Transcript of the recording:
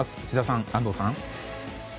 内田さん、安藤さん。